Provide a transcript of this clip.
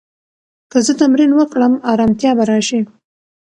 که زه تمرین وکړم، ارامتیا به راشي.